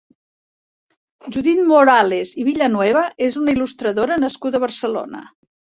Judit Morales i Villanueva és una il·lustradora nascuda a Barcelona.